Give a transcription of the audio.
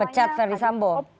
pecat dari sambo